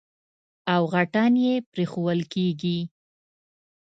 او غټان يې پرېښوول کېږي.